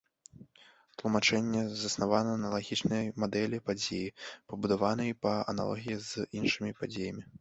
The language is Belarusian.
Тлумачэнне заснавана на лагічнай мадэлі падзеі, пабудаванай па аналогіі з іншымі падзеямі.